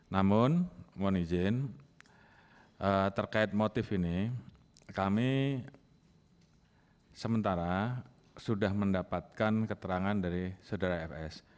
namun mohon izin terkait motif ini kami sementara sudah mendapatkan keterangan dari saudara fs